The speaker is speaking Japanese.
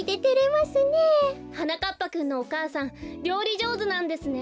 はなかっぱくんのお母さんりょうりじょうずなんですね。